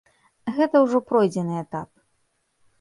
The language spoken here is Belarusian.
Гэта ўжо пройдзены этап.